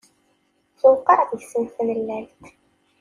Tewqeɛ deg-sen tmellalt.